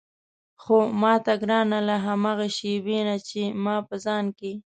هو ماته ګرانه له هماغه شېبې نه چې ما په ځان کې.